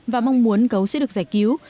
và mong muốn gấu sẽ được giải cứu